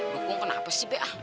bapak kenapa sih be